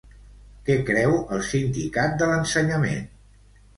Què creu el sindicat de l'Ensenyament?